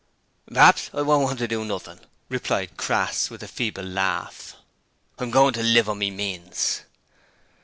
'P'raps I won't want to do nothing,' replied Crass with a feeble laugh. 'I'm goin' to live on me means.'